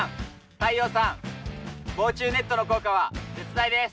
太陽さん防虫ネットの効果は絶大です。